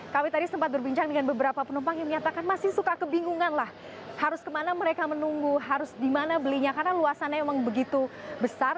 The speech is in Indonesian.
kami tadi sempat berbincang dengan beberapa penumpang yang menyatakan masih suka kebingungan lah harus kemana mereka menunggu harus dimana belinya karena luasannya memang begitu besar